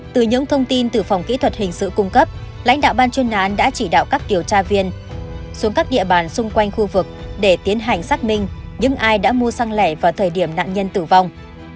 từ những thông tin từ phòng kỹ thuật hình sự cung cấp lãnh đạo ban chuyên án đã chỉ đạo các điều tra viên xuống các địa bàn xung quanh khu vực để tiến hành xác minh những ai đã mua xăng lẻ vào thời điểm nạn nhân tử vong